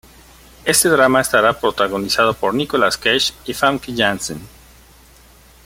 Este drama estará protagonizado por Nicolas Cage y Famke Janssen.